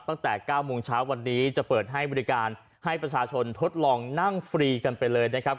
ตั้งแต่๙โมงเช้าวันนี้จะเปิดให้บริการให้ประชาชนทดลองนั่งฟรีกันไปเลยนะครับ